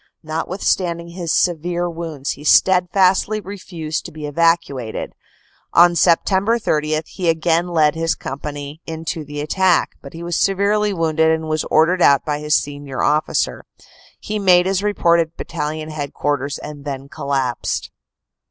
Notwithstanding his severe wounds he steadfastly refused to be evacuated. On Sept. 30 he again led his company in to the attack, but was severely wounded and was ordered out by his senior officer. He made his report at Battalion Head quarters and then collapsed.